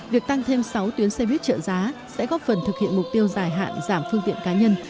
việc tăng thêm sáu tuyến xe buýt trợ giá sẽ góp phần thực hiện mục tiêu dài hạn giảm phương tiện cá nhân